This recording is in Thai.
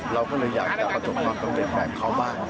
เราก็เลยอยากจะประสุทธิภาพของกำลังแบบเขาบ้าง